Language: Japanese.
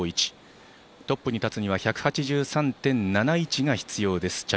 ９９．５１、トップに立つには１８３．７１が必要です。